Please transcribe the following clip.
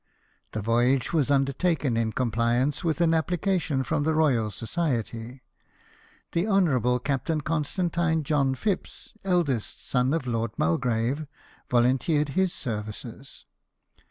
The voyage was undertaken in compliance with an application from the Royal Society. The Hon. Captain Constantine John Phipps, eldest son of Lord Mulgrave, volunteered his services.